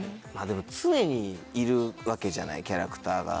でも常にいるわけじゃないキャラクターが。